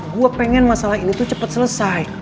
gue pengen masalah ini tuh cepat selesai